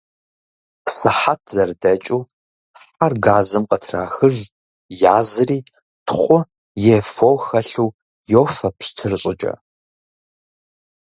Сыхьэт зэрыдэкӏыу, хьэр газым къытрахыж, язри, тхъу е фо хэлъу йофэ пщтыр щӏыкӏэ.